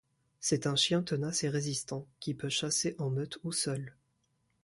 C'est un chien tenace et résistant, qui peut chasser en meute ou seul.